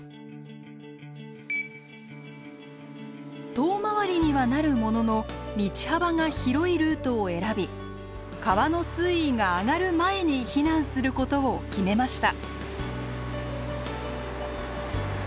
遠回りにはなるものの道幅が広いルートを選び川の水位が上がる前に避難することを決めました。